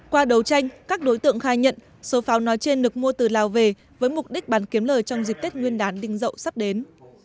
qua đấu tranh các đối tượng khai nhận số pháo nói trên được mua từ lào về với mục đích bán kiếm lời trong dịp tết nguyên đán đình dậu sắp đến